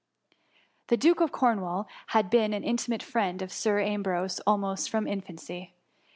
The Duke of Cornwall had been the inti mate friend of Sir Ambrose almost from infancy.